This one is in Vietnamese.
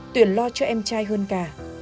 tuyền lo cho em trai hơn cả